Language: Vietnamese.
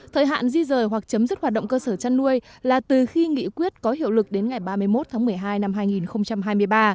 thời hạn di rời hoặc chấm dứt hoạt động cơ sở chăn nuôi là từ khi nghị quyết có hiệu lực đến ngày ba mươi một tháng một mươi hai năm hai nghìn hai mươi ba